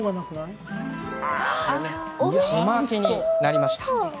ちまきになりました。